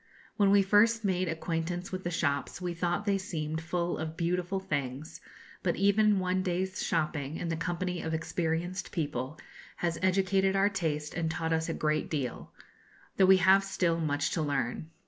When we first made acquaintance with the shops we thought they seemed full of beautiful things, but even one day's shopping, in the company of experienced people, has educated our taste and taught us a great deal; though we have still much to learn.